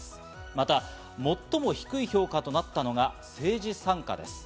また最も低い評価となったのが政治参加です。